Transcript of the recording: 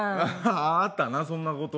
ああったな、そんなこと。